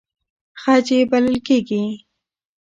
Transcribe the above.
خج یې بلل کېږي.